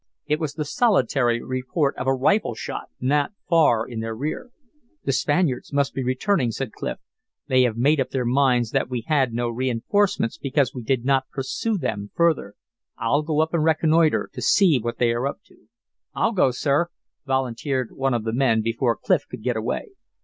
It was the solitary report of a rifle shot not far in their rear. "The Spaniards must be returning," said Clif. "They have made up their minds that we had no reinforcements because we did not pursue them further. I'll go up and reconnoitre, to see what they are up to." "I'll go, sir," volunteered one of the men before Clif could get away.